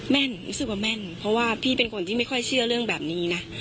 แม่นรู้สึกว่าแม่นเพราะว่าพี่เป็นคนที่ไม่ค่อยเชื่อเรื่องแบบนี้นะ